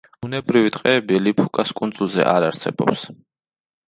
ბუნებრივი ტყეები ლიფუკას კუნძულზე არ არსებობს.